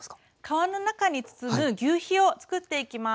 皮の中に包むぎゅうひをつくっていきます。